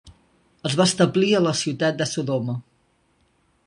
Es va establir a la ciutat de Sodoma.